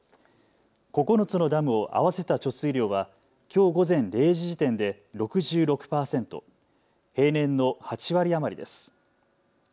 ９つのダムを合わせた貯水量はきょう午前０時時点で６６％、平年の８割余りです。